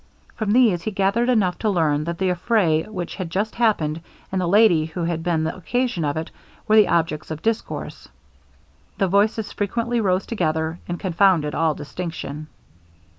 From these he gathered enough to learn that the affray which had just happened, and the lady who had been the occasion of it, were the subjects of discourse. The voices frequently rose together, and confounded all distinction.